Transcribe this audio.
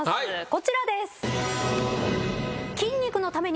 こちらです。